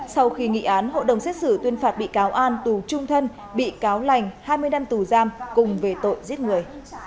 sau khi nghị án hộ đồng xét xử tuyên phạt bị cáo an tù trung thân bị cáo lành hai mươi năm tù giam cùng về tội giết người